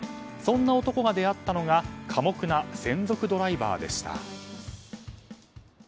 そんな男が出会ったのは寡黙な専属ドライバーでした。